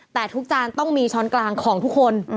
แต่ทุกจานต้องมีช้อนกลางของทุกคน